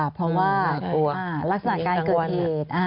เพราะว่าลักษณะการเกิดเหตุ